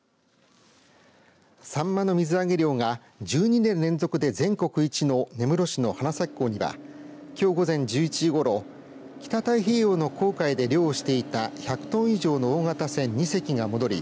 サンマの水揚げ量が１２年連続で全国一の根室市の花咲港にはきょう午前１１時ごろ北太平洋の公海で漁をしていた１００トン以上の大型船２隻が戻り